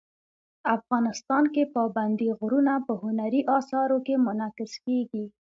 افغانستان کې پابندي غرونه په هنري اثارو کې منعکس کېږي.